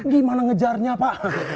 gimana ngejarnya pak